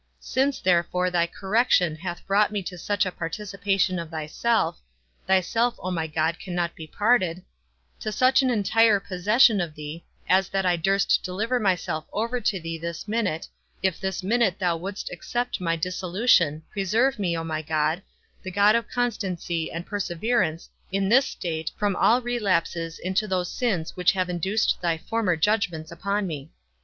Since therefore thy correction hath brought me to such a participation of thyself (thyself, O my God, cannot be parted), to such an entire possession of thee, as that I durst deliver myself over to thee this minute, if this minute thou wouldst accept my dissolution, preserve me, O my God, the God of constancy and perseverance, in this state, from all relapses into those sins which have induced thy former judgments upon me.